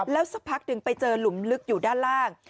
แล้วสักพักหนึ่งไปเจอหลุมลึกอยู่ด้านล่าง